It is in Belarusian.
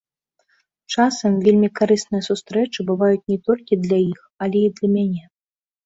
Часам вельмі карысныя сустрэчы бываюць не толькі для іх, але і для мяне.